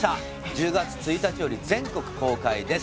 １０月１日より全国公開です